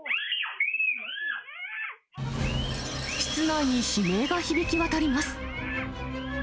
室内に悲鳴が響き渡ります。